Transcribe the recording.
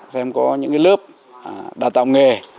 xem có những lớp đào tạo nghề